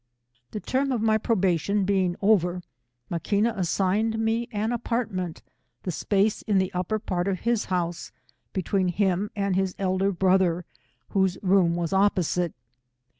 The term of my probation being over, Maquina assigned me as an apartment, the space in the up per part of his house, between him and his eider bro ther, whose room was opposite.